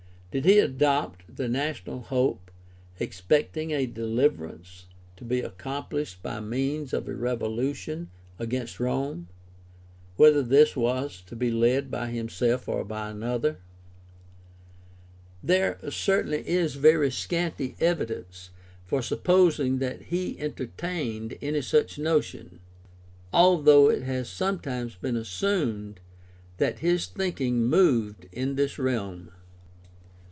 Did he adopt the national hope, expecting a deliverance to be accomphshed by means of a revolution against Rome, whether this was to be led by himself or by another ? There certainly is very scanty evidence for supposing that he enter tained any such notion, although it has sometimes been assumed that his thinking moved in this realm.